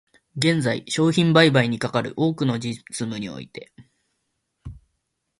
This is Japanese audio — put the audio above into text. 現在、商品売買にかかる多くの実務において、